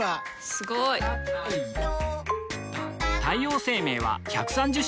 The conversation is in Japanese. すごい！太陽生命は１３０周年